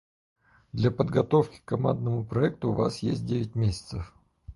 Для подготовки к командному проекту у вас есть девять месяцев.